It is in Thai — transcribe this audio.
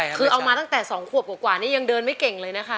คือเอามาตั้งแต่๒ขวบกว่านี่ยังเดินไม่เก่งเลยนะคะ